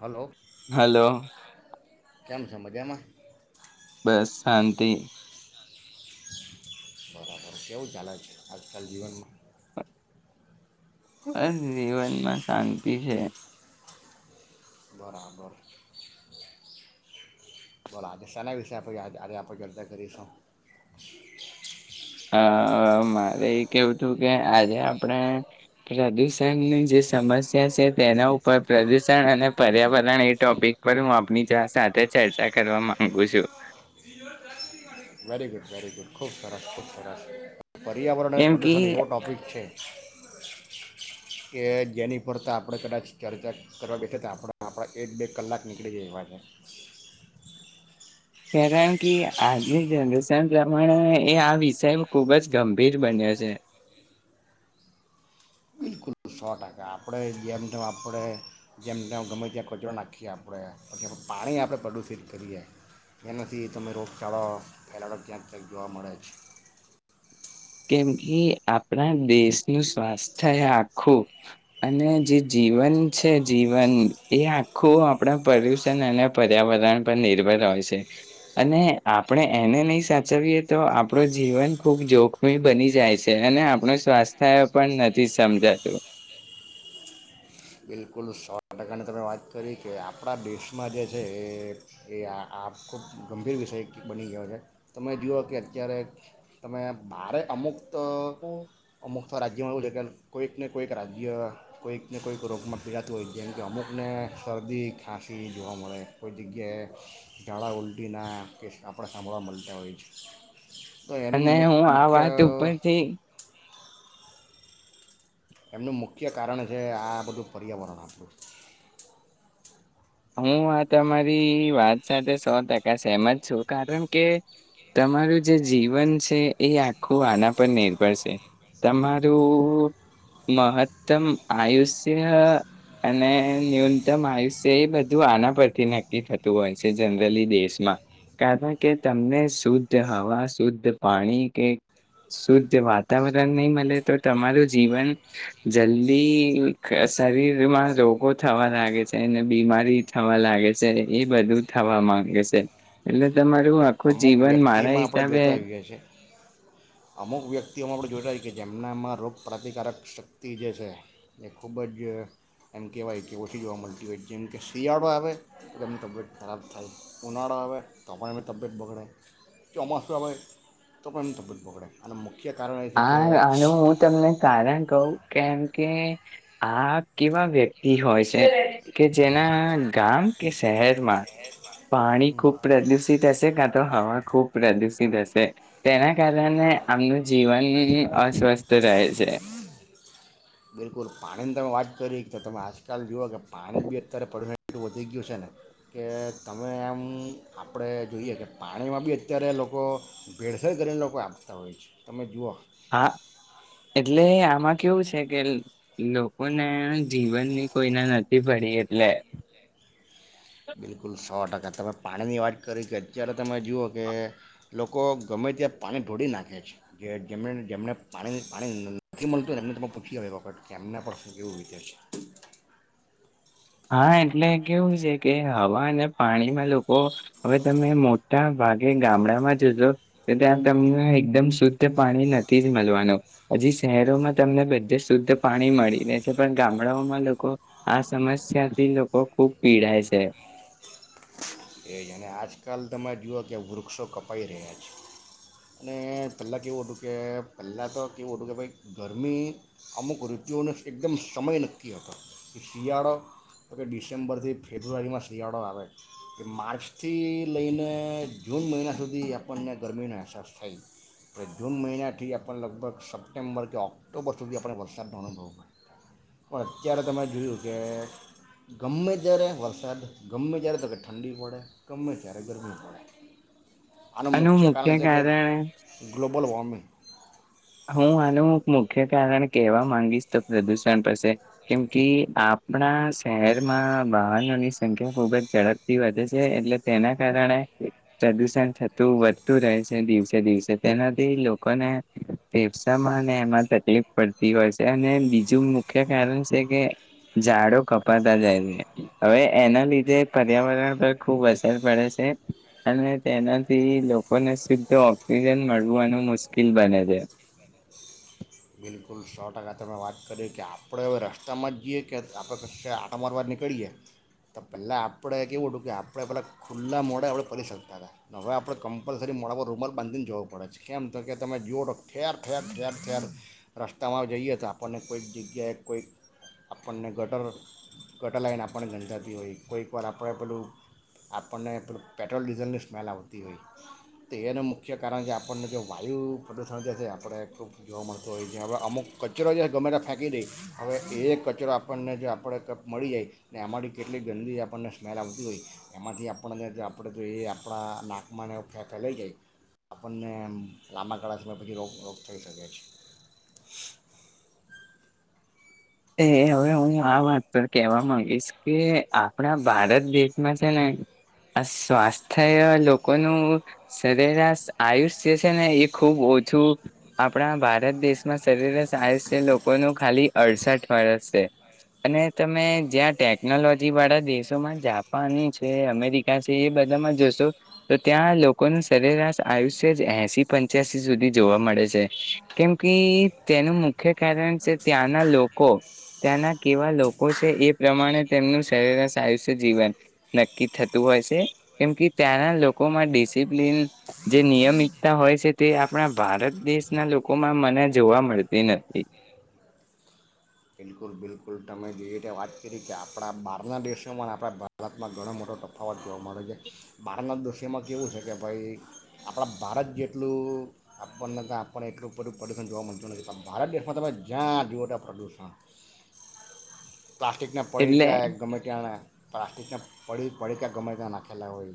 Hello. Hello. કેમ મજામાં. બસ, શાંતિ. બરાબર કેવું ચાલે આજકાલ જીવનમાં? બસ જીવનમાં શાંતિ છે. બરા બરા બરા આજ સના વિષય આપ આજ આજે આપજતા કરી છ [unintelligible] અ મારે એ કેવું હતું કે આજે આપણે પ્રદુષણની જે સમસ્યા છે તેના ઉપર, પ્રદુષણ અને પર્યાવરણ એ ટોપિક પર હું આપણી સાથે ચર્ચા કરવા માંગુ છું. વેરી ગુડ, વેરી ગુડ, ખૂબ સરસ, ખૂબસરસ. પર્યાવરણ અને કેમ કે પ્રદૂષણ એવો ટોપિક છે. કે જેની પર તો આપણે કદાચ ચર્ચા કરવા કે છે, તો આપ આપણા એક બે કલાક નીકળી જાય એવા લાગે છે. કારણ કે આજની જનરેશન પ્રમાણે એ આ વિષય ખુબ જ ગંભીર બન્યો છે. બિલકુલ સો ટકા, આપણે જેમ જેમ આપણે જેમ જેમ ગમે ત્યાં કચરો નાખીએ, આપણે પછી પાણી આપણે પ્રદુષિત કરીએ, એનાથી તમે રોગચાળો ફેલાતો ક્યાંક જોવા મળે છે. કેમ કે આપણા દેશનું સ્વાસ્થ્ય એ આખું અને જે જીવન છે જીવન એ આખું આપણા પ્રદુષણ અને પર્યાવરણ પર નિર્ભર હોય છે. અને આપણે એને નહી સાચવીએ તો આપણું જીવન ખૂબ જોખમ. બની જાય છે, અને આપણ સ્વાસ્થ્ય પણ નથી સમજાતું. બિલકુલ, સો ટકાની તમે વાત કરી કે આપણા દેશમાં જે છે એ એ ખૂબ ગંભીર વિષય બની ગયો છે. તમે જુઓ કે અત્યારે તમે બારે અમુક. તો અમુખ તો રાજ્ય જ્યાં આવું લખેલ કોઈક ને કોઈક રાજ્ય કોઈક ને કોઈક તો રોગમાં પીડાતું હોય જેમ કે અમુકને શરદી ખાંસી જોવા મળે કોઈ જગ્યાએ ઝાળા ઉલટી ના કે સંભળ સાંભળવા મળતા હોય છે. તો એનું અને મુ હું આ મુખ્ય વાત ઉપરથી એમનું મુખ્ય કારણ છે આ બધું પર્યાવરણ આપણું. હું આ તમારી વાત સાથે સો ટકા સહેમત છું કારણ કે તમારું જે જીવન છે એ આખું આના પર નિર્ભર સે તમારું મહત્તમ આયુષ્ય અને ન્યૂનતમ આયુષ્ય એ બધું તો આના પરથી નક્કી થતું હોય છે જનરલી દેશમાં કારણ કે તમને શુદ્ધ હવા શુદ્ધ પાણી કે શુદ્ધ વાતાવરણ નહીં મળે તો તમારું જીવન જલ્દી શરીરમાં રોગો થવા લાગે છે અને બીમારી થવા લાગે સે એ બધું થવા માંગે સે એટલે તમારું આ અમુક વ્યક્તિમાં આપણે જોતા આવીઈએ છીએ અમુક વ્યક્તિઓમાં આપણે જોઈતા હો કે જેમનામાં રોગપ્રતિકારક શક્તિ જે છે એ ખૂબ જ એમ કહેવાય કે ઓછી જોવા મળતી હોય જેમકે શિયાળો આવે તો એની તબિયત ખરાબ થાય ઉનાળો આવે તો પણ એની તબિયત બગડે. ચોમાસું આવે તો પણ તબિયત બગડે અને મો હા આનું હું તમને કારણ કઉ કેમ કે આ કેવા વ્યક્તિ હોય છે. કે જેના ગામ કે શહેરમાં પાણી ખૂબ પ્રદુષિત હશે ક તો હવા. ખૂબ પ્રદુષિત હશે તેણે કારણે અમૃત હું હું અસ્વસ્થ રહે છે. બિલકુલ પાણીની તમે વાત કરી તો તમે આજકાલ જુઓ કે પાણી બી અત્યારે પરમેન્ટ વધી ગયું છે ને કે તમે આમ આપણે જોઈએ કે પાણીમાં બી અત્યારે લોકો ભેળસળ કરીને લોકો આપતા હોય છે તમે જુઓ? હા એટલે આમાં કેવું છે કે લોકોને જીવનની કોઈને નથી પડી એટલે બિલકુલ સો ટકા તમે પાણીની વાત કરી કે અત્યારે તમે જુઓ કે લોકો ગમે ત્યાં પાણી ઢોળી નાખે છે જે જેમ જેમને પાણી પાણી નથી મળતું એમને ત પૂછી આવો કે એમના પર શું કેવું વીતે છે. હા એટલે કેવું છે કે હવા અને પાણીમાં લોકો હવે તમે મોટા ભાગે ગામડામાં જોજો તો ત્યાં તમને એકદમ શુદ્ધ પાણી નથી જ મલવાનું હજી શહેરોમાં તમને બધે શુદ્ધ પાણી મળી રહે છે પણ ગામડાઓમાં લોકો આ સમસ્યા સ્યાથી લોકો ખૂબ પીડાાય છે. એ જ અને આજકાલ તમે જુઓ કે વૃક્ષો કપાઈ રહ્યા છે અને પહેલાં કેવું હતું કે પહેલાં તો કેવું હતું કે ભાઈ ગરમી અમુક ઋતુઓનો એકદમ સમય નક્કી હતો કે શિયાળો તો કે ડિસેમ્બરથી ફેબ્રુઆરીમાં શિયાળો આવે એ માર્ચ થી લઈને જૂન મહિના સુધી આપણને ગરમીનો અહેસાસ થઈ એ જૂન મહિનાથી આપણને લગભગ સપ્ટેમ્બર કે ઓક્ટોબર સુધી આપણે વરસાદનો અનુભવો પડે પણ અત્યારે તમે જોયું કે ગમે ત્યારે વરસાદ ગમે ત્યારે તો કે ઠંડી પડે. ગમે ત્યારે ગરમી પડે. આનું અનેનું મુખ્ય કારણ છે કે કારણે ગ્લોબલ વોર્મિંગ. હું આનું મુખ્ય કારણ કેહેવા માંગીશ તો પ્રદુષણ પાસે કેમ કે આપણા શહેરમાં વાહનોની સંખ્યા ખુબ જ ઝડપથી વધે છે એટલે તેના કારણે પ્રદુષણ થતું વધતું રહે છે દિવસે દિવસે તેનાથી લોકોને ફેફસામાં એમાં તકલીફ પડતી હોય છે અને બીજું મુખ્ય કારણ છે કે ઝાડો કપાતા જાય છે હવે એના લીધે પર્યાવરણ પર ખુબ અસર પડે છે અને તેનાથી લોકોને શુદ્ધ ઓક્સિજન મળવાનું મુશ્કેલ બને છે. તો સો ટકા તમે વાત કરી કે આપણે હવે રસ્તામાં જઈએ કે આપણે કસે આટા મારવાર નીકળીએ તો પહેલાં આપણે કેવું હતું કે આપણે પહેલાં ખુલ્લા મોડા હુધી ફરી શકતા હતા હવે આપણે કમ્પલસરી મોડા પર રૂમલ બાંધીને જવું પડે છે કેમ તો કે તમે જુઓ તોો ઠેર ઠેર ઠેર ઠેર રસ્તામાં જઈએ તો આપણને કોઈક જગ્યાએ કોઈક આપણને ગટર ગટર લાઈન આપણને ગંંધાતી હોય કોઈકવાર આપણે પેલું આપણને પેલું પેટ્રોલ ડીઝલની સ્મેલ આવતી હોય તો એનું મુખ્ય કારણ કે આપણને જે વાયુ પ્રદૂષણ છે છે આપણે ખૂબ જોવા મળતું હોય. જે હવે અમુક કચરો જે ગમે તે ફેંકી દે હવે એ કચરો આપણને જો આપણે કપ મળી જાય ને એમાંથી કેટલી ગંદી આપણને સ્મેલ આવતી હોય એમાંથી આપણને આપણે એ આપણા નાકમાંને ફે ફેંકલાઈ જાય આપણને લાંબા ગાળા સમય પછી રોગ રોગ થઈ શકે છે. એ હવે હું આ વાત પર કેહેવા માંગીશ કે આપણા ભારત દેશમાં છે ને આ સ્વાસ્થ્ય થ લોકોનું સરેરાશ આયુષ જે છે ને એ ખુબ ઓછું આપણા ભારત દેશમાં સરેરસ આયુષ્ય લોકોનું ખાલી અડસઠ ફરસે અને તમે જ્યાં ટેકનોલોજી વાળા દેશોમાં જાપાની છે અમેરિકા છે એ બધામાં જોશો તો ત્યાં લોકોનું સરેરાશ આયુષ્ય જ એશી પંચ્યાસી સુધી જોવા મળે છે કેમ કે તેનું મુખ્ય કારણ છે ત્યાંના લોક કો ત્યાંના કેવા લોકો છે એ પ્રમાણે તેમનું સરેરાસ આયુષ્ય જીવન નક્કી થતું હોય સે કેમ કે ત્યાંના લોકોમાં ડિસિપ્લન જે નિયમિતતા હોય છે તે આપણા ભારત દેશના લોકોમાં મને જોવા મળતી નથી. બિલકુલ બિલકુલ ટમે જે રીતે વાત કરી કે આપણા બહારના દેશોમાં આપણા ભારતમાં ઘણો મોટો તફાવત જોવા મળ્યો છે બહારના દેશોમાં કેવું છે કે ભાઈ આપણા ભારત જેટલું આપણનેય આપણને એટલું પ્રદૂષણ જોવા મળતું નથી ભારત દેશમાં તમે જ્યાં જુઓ ત્યાં પ્રદૂષણ. પ્લાસ્ટિકના એટલે પડીકા ગમેટ્યા પ્લાસ્ટિકના પડી પડીકા ગમેટ્યા નાખેલા હોય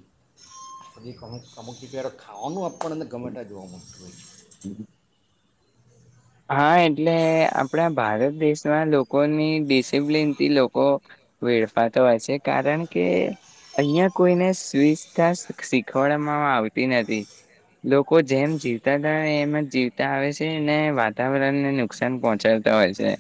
સે હજી અમુક અમુક જગ્યાએ તો ખાવાનું પણ એ ગમેટં જોવા મળતું હોય છે. હા એટલે આપણા ભારત દેશમાં લોકોની ડિસિપ્લિનથી લોકો વેડફાતો હોય છે કારણ કે અહિયાં કોઈને સ્વિચ્છતા શીખવાડવામાં આવતી નથી લોકો જેમ જીવતા હતા એમ જ જીવતા આવે છે ને વાત વાતાવરણને નુકસાન પહોંચાડતા હોય છે,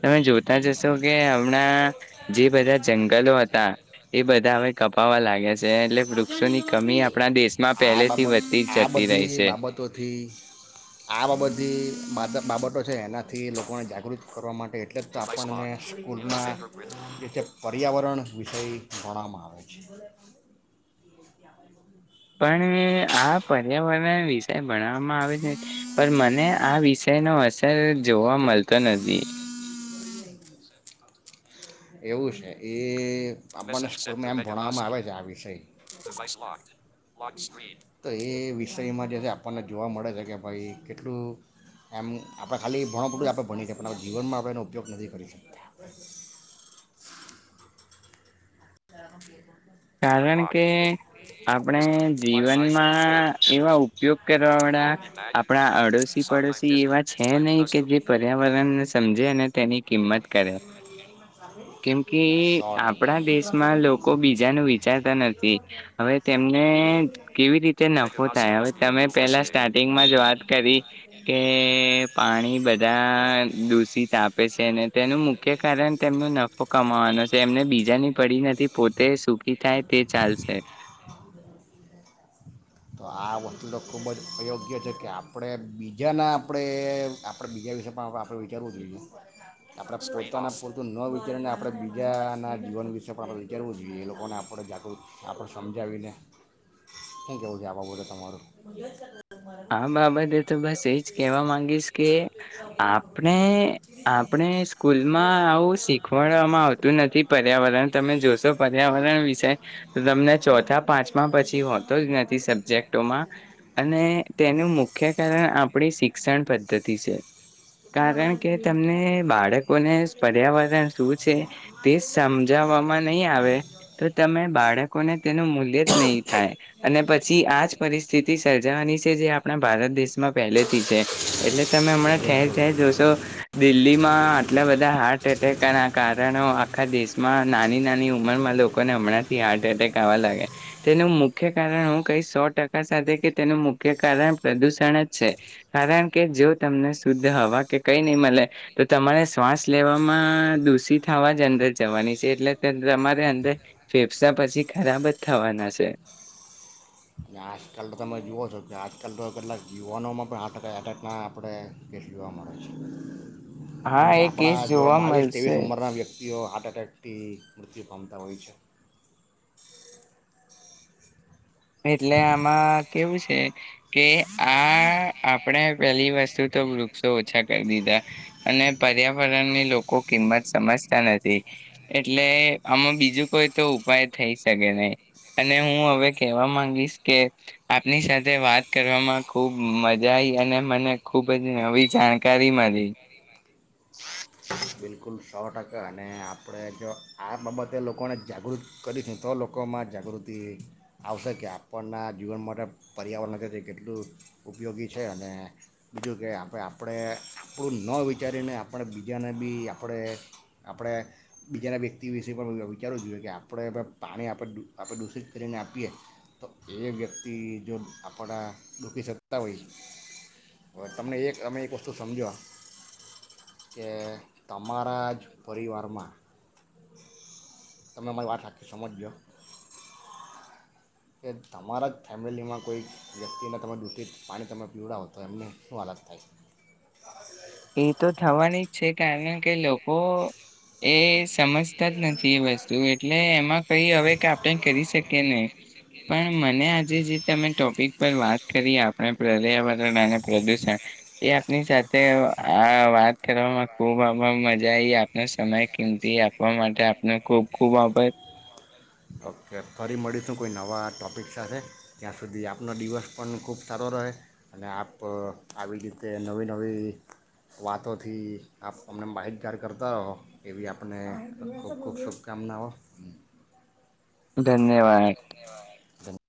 તમે જોતા જશો કે હમણાં જે બધા જંગલો હતા એ બધા હવે કપાવા લાગ્યા છે એટલે આવજો વૃક્ષોની નીલુ કમી ભાભી આપણા દેશ આ બાબત આ બધી બાબતોથી આ બાબતથી માતા બાબતો છે, એનાથી લોકોને જાગૃત કરવા માટે એટલે જ આપણને સ્કૂલના જે છે, પર્યાવરણ વિષય ગણવામાં આવે છે. પણ આ પર્યાવરણ ષ ભણવામાં આવે છે પણ મને આ વિષય નો અસર જોવા મળતો નથી. એવું છે એ આપને ભણવામાં આવે છે આ વિષય એ વિષયમાં જે આપણને જોવા મળે છે કે ભાઈ કેટલું એમ આપડ ખાલી ભણું આપ ભણીએ જીવનમાં આપ એનો ઉપયોગ નથી કરી શકતા. [unintelligible] કારણ કે આપણે જીવનમાં એવા ઉપયોગ કરવા વાળા આપણા અડોશી પડોશી એવા છે નહી કે જે પર્યાવરણને સમજે અને તેની કિંમત કરે કેમ કે સો ટકા આપણા દેશમાં માં લોકો બીજ વિચારતા નથી હવે તેમને કેવી રીતે નફો થાય હવે તમે પેલા સ્ટાર્ટિંગમાં જ વાત કરી કે પાણી બધા દૂષિત આપે છે. અનેને તેનું મુખ્ય કારણ તેમનો નફો કમાવાનો છે એમને બીજાની પડી. નથી પો તે સુખી થાય તે ચાલશે. તો આ વસ્તુ તો ખૂબ જ અયોગ્ય છે કે આપણે બીજાના આપણે આપણે બીજા વિશે પણ આપણે વિચારવું જોઈએ આપણે પોતાના પૂરતું ન વિચારીને આપણે બીજાના જીવન વિશે. પણ આપણે વિચારવું જોઈએ એ લોકોને આપણે જાગૃત આપણે સમજાવીને થેંક છે, આવવા બધે તમારું આ બાબતે તો બસ એજ કહેવા માંગીશ કે આપણે આપણે સ્કૂલમાં આવું શીખવાડવામાં આવતું નથી પર્યાવરણ તમે જોશો પર્યાવરણ વિષય તો તમને ચોથા પાંચમા પછી હોતો જ નથી સબ્જેક્ટોમાં અને તેનું મુખ્ય કારણ આપણી શિક્ષણ પદ્ધતિ છે. કારણ કે તમને બાળકોને પર્યાવરણ શું છે, તે સમજાવવામાં નહીં આવે તો તમે બાળકોને તેનું મૂલ્ય જ નહીં થાય, અને પછી આજ પરિસ્થિતિ સર્જાવાની જે આપણા ભારત દેશમાં પહેલેથી છે એટલે તમે હમણાં ઠેર બિલકુલ ઠેર જોશો તો દિલ્હીમાં આટલા બધા હાર્ટ એટેક ના કારણો આખા દેશમાં નાની નાની ઉંમરમાં લોકોને હમણાંથી હાર્ટ એટેક આવવા લાગ્યા તેનું મુખ્ય કારણ હું કઈ સો ટકા સાથે કે તેનું કે કારણ પ્રદૂષણ જ છે, કારણ કે જો તમને શુદ્ધ હવા કે કઈ નહીં મળે તો તમારે શ્વાસ લેવામાં દૂષિત થવા જ અંદર જવાની છે એટલે તમારે અંદર ફેફસા પછી ખરાબ જ થવાના છે. અને આજકાલ તો તમે જોુઓ છો છ આજકાલ તો કેટલાક યુવાનોમાં પણ હાર્ટ એટેકના આપણે કેસ જોવા મળે છે. હા કેમ કે એ આપણા કેસ જેવા જોવા બાવીસ મળશે ત્રેવીસ ઉંમરના વ્યક્તિ કેઓ હાર્ટ અટકટીથી મૃત્યુ ક્મતા હોય છે. એટલે આમાં કેવું છે. કે આ આપણે પેલી વસ્તુ તો વૃક્ષો ઓછા કરી દીધા અને પર્યાવરણની લોકો કિંમત સમજતા નથી, એટલે આમાં બીજું કોઈ તો ઉપાય થઈ શકે નહી અને હું હવે કેવા માંગીશ કે આપની સાથે વાત કરવામાં ખુબ મજા આવીઈ અને મને ખુબ જ નવી જાણકારી મળી. [unintelligible] કુલ સો ટકા અને આપણે જો આ બાબતે લોકોને જાગૃત કરીશું તો લોકોમાં જાગૃતિ આવશે કે આપણના જીવન માટે પર્યાવરણ તે કેટલું ઉપયોગી છે, અને બીજું કે આપણે આપણે આપણું ન વિચારીને આપણે બીજાને બી આપણે આપણે બીજાના વ્યક્તિ વિશે પણ વિચારવું જોઈએ કે આપણે પાણી આપણે આપણે દૂષિત કરીને આપીએ તો એ વ્યક્તિ જો આપણા દુખી શકતા હોય હ તમને એક અમે એક વસ્તુ સમજો કે તમારા જ પરિવારમાં તમે અમારી વાત આખી સમજજો. કે તમારા જ ફેમિલીમાં કોઈ વ્યક્તિને તમે ડ્યુટી પાણી તમે પીવડાવ તો એમને શું હલાદ થાય છે. એ તો થવાની જ છે કારણ કે લોકો એ સમજતા જ નથી એ વસ્તુ એટલે એમાં કઈ હવે કે આપણે કરી શકીએ નને પણ મને આજે જે તમે ટોપિક વાત કરીએ આપણે પર્યાવરણ અને પ્રદુષણ એ આપની સાથે હા વા વામાં ખૂબ આ મજા આવી આપને સમય કિંમતી આપવા માટે આપને ખૂબ ખૂબ આભજ ટોપિક સાથે ત્યાં સુધી આપનો દિવસ પણ ખૂબ સારો રહે અને આપ આવી રીતે નવી નવી વાતોથી આપ અમને બાહિત જાડ કરતા રહો એવી આપને ખૂબ ખૂબ શુભકામનાઓ ધન્યવાદ ધન્ય